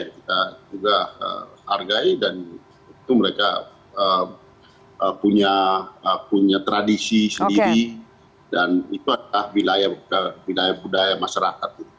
kita juga hargai dan itu mereka punya tradisi sendiri dan itu adalah budaya masyarakat